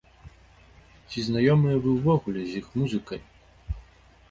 Ці знаёмыя вы ўвогуле з іх музыкай?